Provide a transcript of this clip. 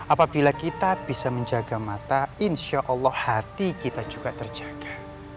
apabila kita bisa menjaga mata insya allah hati kita juga terjaga